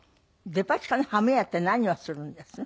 デパ地下のハム屋って何をするんです？